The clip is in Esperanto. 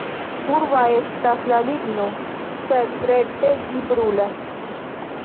Kurba estas la ligno, sed rekte ĝi brulas.